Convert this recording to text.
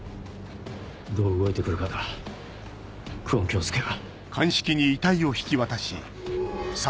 どう動いて来るかだ久遠京介が。